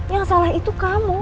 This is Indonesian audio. yang salah itu kamu